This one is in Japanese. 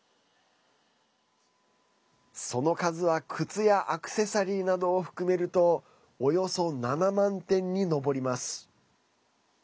その数は靴やアクセサリーなどを含めるとおよそ７万点に上ります。